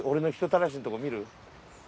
の人たらしのとこ見る？